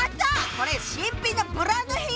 これ新品のブランド品よ！